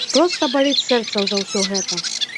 Проста баліць сэрца за ўсё гэта.